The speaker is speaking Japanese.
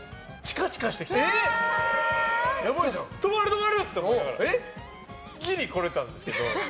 止まる止まるって思いながらぎり来られたんですけど。